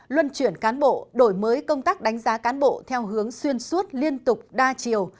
luân chuyển cán bộ đổi mới công tác đánh giá cán bộ theo hướng xuyên suốt liên tục đa chiều